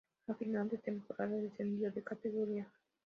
A final de temporada descendió de categoría.